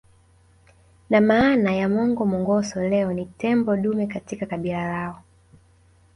Na maana ya Mongo Mongoso leo ni tembo dume katika kabila lao